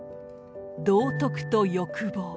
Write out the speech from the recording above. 「道徳」と「欲望」。